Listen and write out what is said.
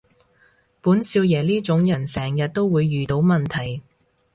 本少爺呢種人成日都會遇到問題